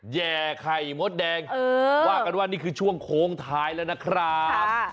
แห่ไข่มดแดงว่ากันว่านี่คือช่วงโค้งท้ายแล้วนะครับ